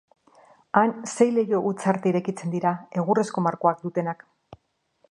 Han sei leiho-hutsarte irekitzen dira, egurrezko markoa dutenak.